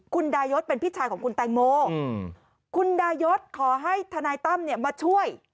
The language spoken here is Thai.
คุณดายศเป็นพี่ชายของคุณแตงโมคุณดายศขอให้ทนายตั้มเนี่ยมาช่วย